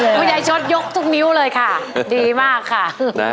คุณยายชดยกทุกนิ้วเลยค่ะดีมากค่ะ